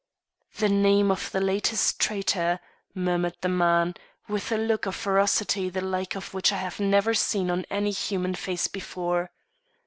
"The name of the latest traitor," murmured the man, with a look of ferocity the like of which I had never seen on any human face before.